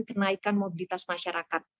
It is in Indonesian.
kenaikan mobilitas masyarakat